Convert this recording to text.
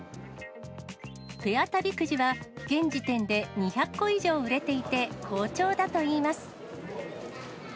ペア旅くじは、現時点で２００個以上売れていて、好調だといいます。